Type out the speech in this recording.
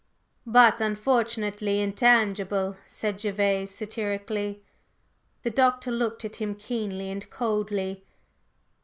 "But, unfortunately, intangible!" said Gervase, satirically. The Doctor looked at him keenly and coldly.